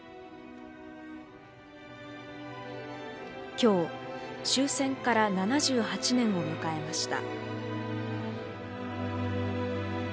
今日、終戦から７８年を迎えました。